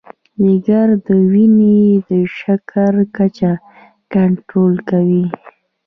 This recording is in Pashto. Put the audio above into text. جگر د وینې د شکر کچه کنټرول کوي.